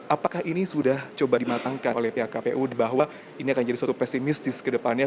apakah ini sudah coba dimatangkan oleh pihak kpu bahwa ini akan jadi suatu pesimistis ke depannya